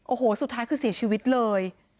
โอ้โหสุดท้ายคือเสียชีวิตเลย